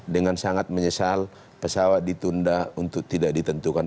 dengan sangat menyesal pesawat ditunda untuk tidak ditentukan